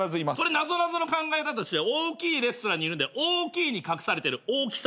なぞなぞの考え方として大きいレストランにいるんで「大きい」に隠されてるオオキさんじゃない？